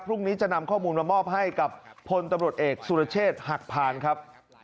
พรุ่งนี้จะนำข้อมูลมามอบให้กับพลตำรวจเอกสุรเชษฐ์หักพานครับ